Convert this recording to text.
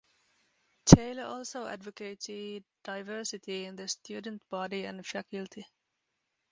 Taylor also advocated diversity in the student body and faculty.